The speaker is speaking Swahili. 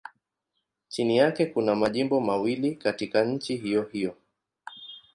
Chini yake kuna majimbo mawili katika nchi hiyohiyo.